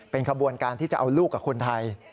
เป็นขบวนการที่จะเอาลูกกับคนไทย